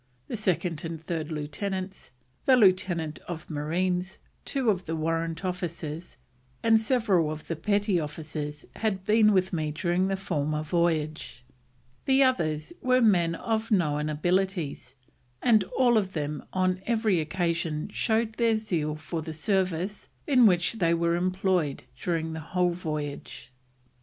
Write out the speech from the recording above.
The Second and Third Lieutenants, the Lieutenant of Marines, two of the Warrant officers, and several of the Petty officers had been with me during the former voyage. The others were men of known abilities, and all of them on every occasion showed their zeal for the service in which they were employed during the whole voyage."